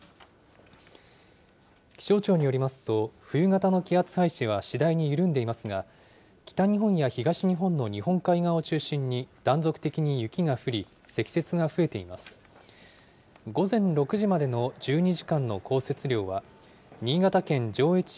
気象庁によりますと、冬型の気圧配置は次第に緩んでいますが、北日本や東日本の日本海側を中心に、断続的に雪が降り、積雪が増えています。